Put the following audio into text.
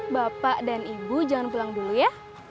bapak dan ibu jangan pulang dulu ya